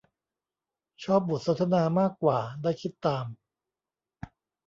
ชอบบทสนทนามากกว่า ได้คิดตาม